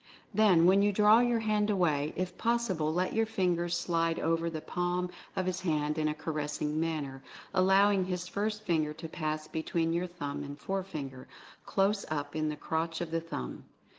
Then, when you draw your hand away, if possible let your fingers slide over the palm of his hand in a caressing manner, allowing his first finger to pass between your thumb and forefinger, close up in the crotch of the thumb.